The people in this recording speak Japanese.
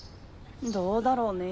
どうだろうね。